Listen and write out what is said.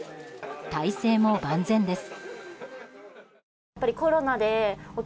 態勢も万全です。